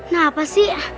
nah apa sih